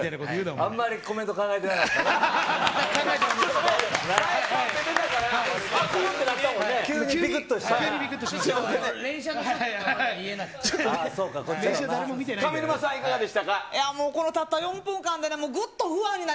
あんまりコメント考えてなかったな。